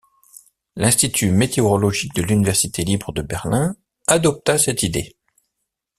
L'Institut météorologique de l'Université libre de Berlin adopta cette idée.